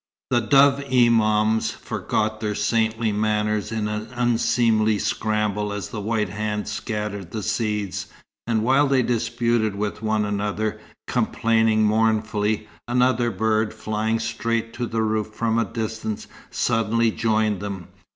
The dove Imams forgot their saintly manners in an unseemly scramble as the white hand scattered the seeds, and while they disputed with one another, complaining mournfully, another bird, flying straight to the roof from a distance, suddenly joined them.